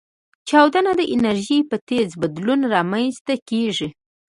چاودنه د انرژۍ په تیز بدلون رامنځته کېږي.